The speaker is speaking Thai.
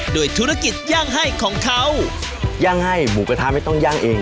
โดยธุรกิจย่างให้ของเขาย่างให้หมูกระทะไม่ต้องย่างเอง